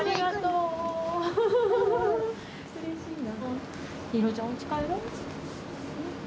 うれしいな。